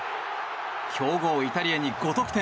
強豪イタリアに５得点。